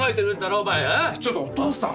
ちょっとお父さん！